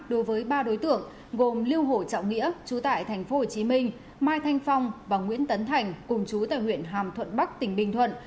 đối với ba đối tượng gồm lưu hồ trọng nghĩa chú tại tp hcm mai thanh phong và nguyễn tấn thành cùng chú tại huyện hàm thuận bắc tỉnh bình thuận